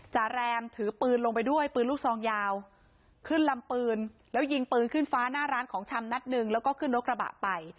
จาแรมถือปืนลงไปด้วยปืนลูกซองยาวขึ้นลำปืนแล้วยิงปืนขึ้นฟ้าหน้าร้านของชำนัดหนึ่งแล้วก็ขึ้นรถกระบะไป